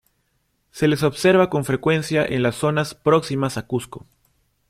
Se les observa con frecuencia en las zonas próximas a Cusco.